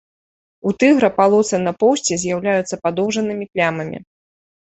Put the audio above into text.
У тыгра палосы на поўсці з'яўляюцца падоўжанымі плямамі.